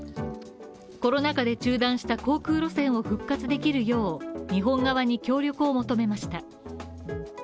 コロナ禍で中断した航空路線を復活できるよう日本側に協力を求めました。